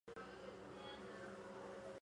美军于同年将其列入制式装备。